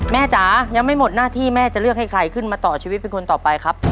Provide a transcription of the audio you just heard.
จ๋ายังไม่หมดหน้าที่แม่จะเลือกให้ใครขึ้นมาต่อชีวิตเป็นคนต่อไปครับ